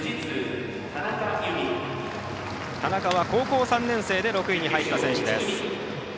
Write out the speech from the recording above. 田中は、高校３年生で６位に入った選手です。